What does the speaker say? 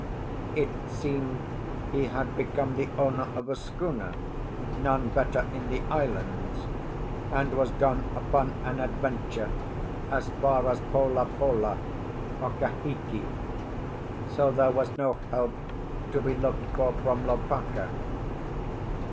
It seemed he had become the owner of a schooner—none better in the islands—and was gone upon an adventure as far as Pola Pola or Kahiki; so there was no help to be looked for from Lopaka.